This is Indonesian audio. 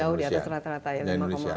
jauh di atas rata rata ya